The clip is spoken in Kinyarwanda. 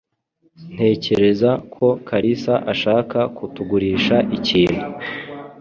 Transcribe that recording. Ntekereza ko Kalisa ashaka kutugurisha ikintu.